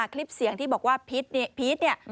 คลิปเสียงที่บอกว่าพีชเนี่ย